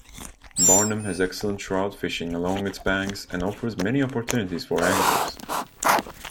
Barnum has excellent trout fishing along its banks and offers many opportunities for anglers.